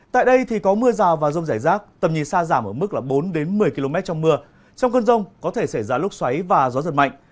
tại đây thì có mưa rào và rông rải rác tầm nhìn xa giảm ở mức bốn một mươi km trong mưa trong cơn rông có thể xảy ra lúc xoáy và gió giật mạnh